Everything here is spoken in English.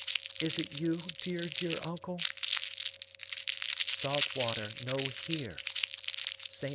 Is it you, dear, dear uncle?" "Saltwater no here. St.